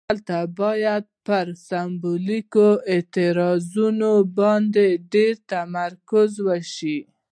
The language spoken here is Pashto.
دلته باید پر سمبولیکو اعتراضونو باندې ډیر تمرکز وشي.